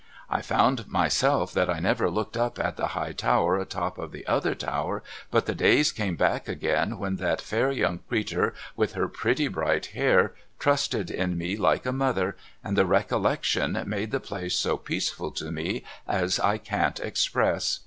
I found myself that 1 never looked up at the high tower atop of the other tower, but the days came back again when that fair young creetur with her pretty bright hair trusted in me like a mother, and the recollection made the place so peaceful to me as I can't express.